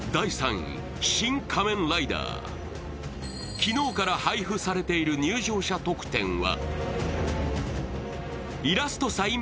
昨日から配布されている入場者特典はイラストサイン